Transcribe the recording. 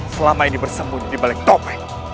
selama ini bersembunyi di balik topeng